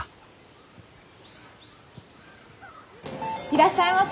いらっしゃいませ！